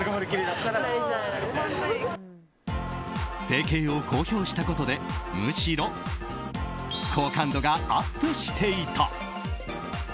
整形を公表したことでむしろ好感度がアップしていた。